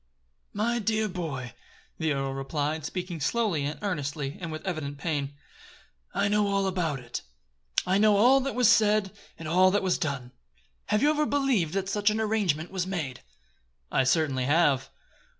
"My dear boy," the earl replied, speaking slowly and earnestly and with evident pain, "I know all about it; I know all that was said, and all that was done. Have you ever believed that such an arrangement was made?" "I certainly have."